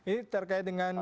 ini terkait dengan